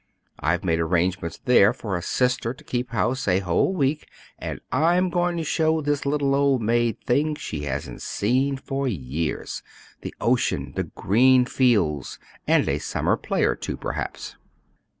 I've made arrangements there for a sister to keep house a whole week, and I'm going to show this little old maid things she hasn't seen for years: the ocean, the green fields, and a summer play or two, perhaps.